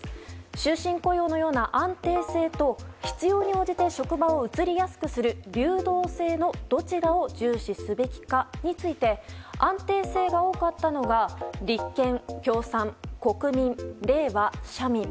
終身雇用のような安定性と必要に応じて職場を移りやすくする流動性のどちらを重視すべきかについて安定性が多かったのが立憲、共産、国民、れいわ、社民。